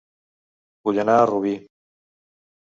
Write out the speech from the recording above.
Vull anar a Rubí